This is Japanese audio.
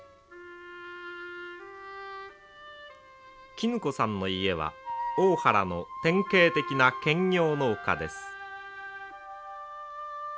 衣子さんの家は大原の典型的な兼業農家です。